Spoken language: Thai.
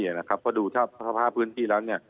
เพราะดูสภาพพื้นที่แล้ว